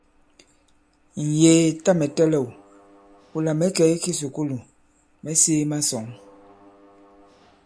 Ǹyēē, tâ mɛ̀ tɛlɛ̂w, wula mɛ̌ kɛ̀ i kisùkulù, mɛ̌ sēē masɔ̌ŋ.